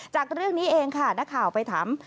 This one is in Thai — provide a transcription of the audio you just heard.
จากเรื่องนี้เองค่ะนักข่าวไปถาม